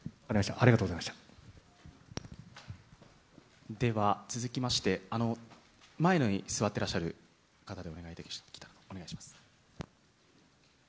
ありがとうごでは、続きまして、前のほうに座ってらっしゃる方でお願いできたらと、お願いします。